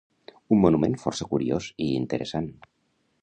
Un monument força curiós i interessant.